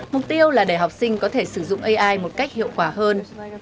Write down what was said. mục tiêu là để học sinh có thể sử dụng ai một cách hiệu quả hơn